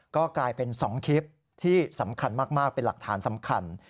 ก็กลายเป็น๒คลิปที่สำคัญมากเป็นหลักฐานสำคัญ